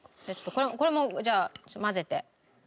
これもじゃあ混ぜて。